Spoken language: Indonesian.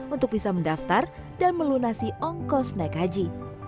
untuk bisa mendaftar dan melunasi ongkos naik haji